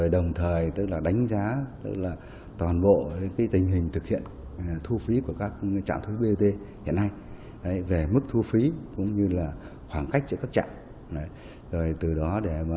đồng thời đánh giá toàn bộ tình hình thực hiện thu phí của các trạm thuốc bot hiện nay về mức thu phí cũng như khoảng cách cho các trạm